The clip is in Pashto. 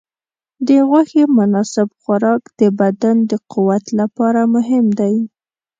د غوښې مناسب خوراک د بدن د قوت لپاره مهم دی.